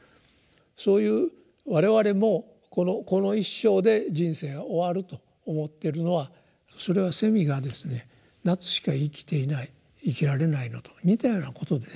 そういう我々もこの一生で人生が終わると思ってるのはそれはセミがですね夏しか生きていない生きられないのと似たようなことでですね。